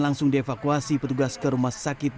tujuh orang pemudik yang menjelaskan